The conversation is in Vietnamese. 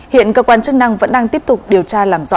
hiện cơ quan chức năng vẫn đang tiếp tục điều tra làm rõ vụ việc